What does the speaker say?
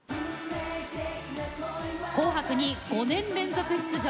「紅白」に５年連続出場。